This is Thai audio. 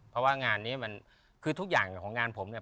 เพราะว่างานนี้มันคือทุกอย่างของงานผมเนี่ย